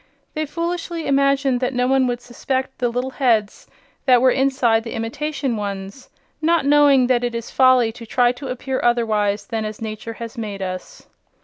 They foolishly imagined that no one would suspect the little heads that were inside the imitation ones, not knowing that it is folly to try to appear otherwise than as nature has made us.